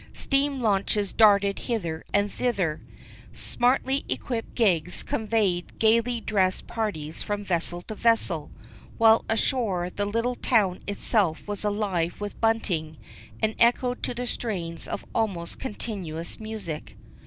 Steam launches darted hither and thither, smartly equipped gigs conveyed gaily dressed parties from vessel to vessel, while, ashore the little town itself was alive with bunting, and echoed to the strains of almost continuous music.